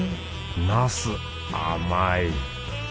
なす甘い。